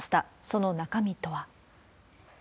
その中身とは。